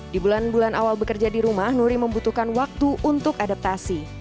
di bulan bulan awal bekerja di rumah nuri membutuhkan waktu untuk adaptasi